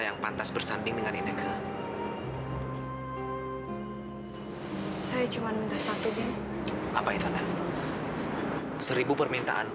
nanti aku akan